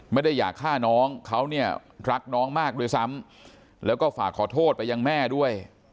ไม่ได้อยากฆ่าน้องเขาเนี่ยรักน้องมากด้วยซ้ำแล้วก็ฝากขอโทษไปยังแม่ด้วย